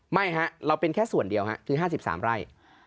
ไม่ครับเราเป็นแค่ส่วนเดียวครับคือ๕๓ไร่